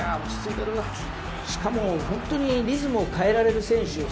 しかも本当にリズムを変えられる選手。